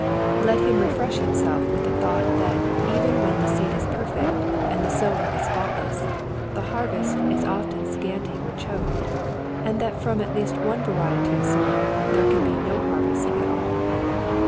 Let him refresh himself with the thought that even when the seed is perfect and the sowing is fault less the harvest is often scanty or choked, and that from at least one variety of soil there can be no harvest at all.